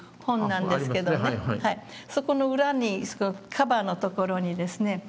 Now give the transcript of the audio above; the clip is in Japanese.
そこの裏にカバーのところにですね